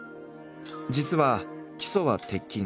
実は基礎は鉄筋。